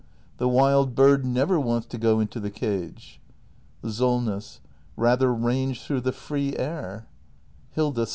] The wild bird never wants to go into the cage. Solness. Rather range through the free air Hilda.